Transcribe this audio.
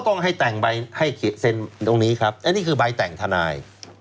ต้องให้แต่งใบให้เขียนตรงนี้ครับอันนี้คือใบแต่งทนาย